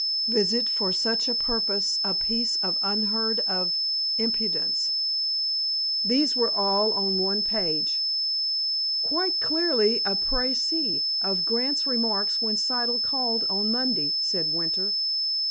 "Visit for such a purpose a piece of unheard of impudence."_ These were all on one page. "Quite clearly a précis of Grant's remarks when Siddle called on Monday," said Winter.